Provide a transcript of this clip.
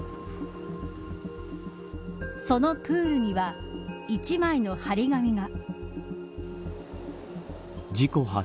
そのプールには一枚の張り紙が。